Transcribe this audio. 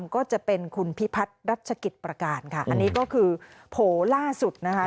ก็จะเป็นคุณพิพัฒน์รัชกิจประการค่ะอันนี้ก็คือโผล่ล่าสุดนะคะ